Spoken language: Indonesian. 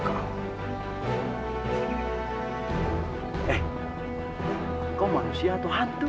kau manusia atau hantu